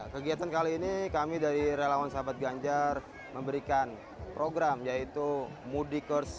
kegiatan kali ini kami dari relawan sahabat ganjar memberikan program yaitu mudikers